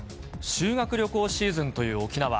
修学旅行シーズンという沖縄。